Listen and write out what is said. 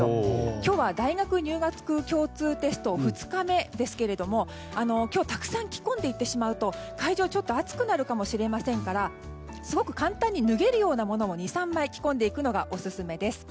今日は大学入学共通テスト２日目ですが今日、たくさん着込んでいってしまうと会場、ちょっと暑くなるかもしれませんからすごく簡単に脱げるようなものを２３枚着込んでいくのがオススメです。